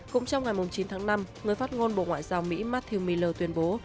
cũng trong ngày chín tháng năm người phát ngôn bộ ngoại giao mỹ matthew miller tuyên bố